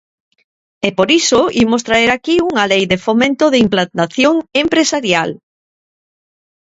E por iso imos traer aquí unha Lei de fomento de implantación empresarial.